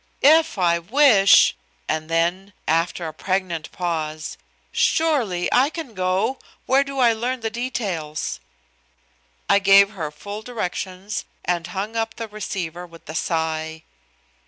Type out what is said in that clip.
"If I wish!" and then, after a pregnant pause, "Surely, I can go. Where do I learn the details?" I gave her full directions and hung up the receiver with a sigh.